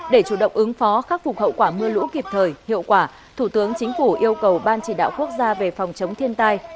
để chủ động ứng phó khắc phục hậu quả mưa lũ kịp thời hiệu quả thủ tướng chính phủ yêu cầu ban chỉ đạo quốc gia về phòng chống thiên tai